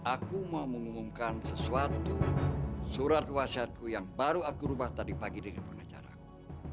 aku mau mengumumkan sesuatu surat wasiatku yang baru aku ubah tadi pagi dengan pengacaraku